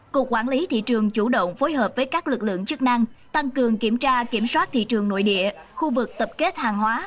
cục quản lý thị trường chủ động phối hợp với các lực lượng chức năng tăng cường kiểm tra kiểm soát thị trường nội địa khu vực tập kết hàng hóa